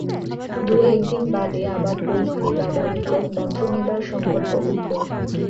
দু-এক দিন বাদে আবার পওহারী বাবার নিকট মন্ত্র নেবার সঙ্কল্প উঠল।